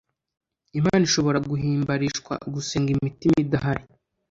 Imana ishobora guhimbarishwa gusenga imitima idahari.